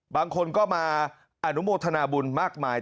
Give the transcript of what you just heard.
บางคนก็มาอนุโมทนาบุญมากมาย